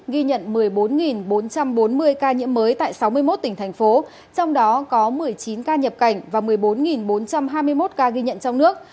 ghi nhận một mươi bốn bốn trăm bốn mươi ca nhiễm mới tại sáu mươi một tỉnh thành phố trong đó có một mươi chín ca nhập cảnh và một mươi bốn bốn trăm hai mươi một ca ghi nhận trong nước